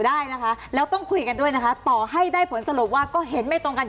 ได้นะคะแล้วต้องคุยกันด้วยนะคะต่อให้ได้ผลสรุปว่าก็เห็นไม่ตรงกัน